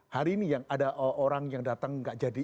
hari ini yang ada orang yang datang gak jadi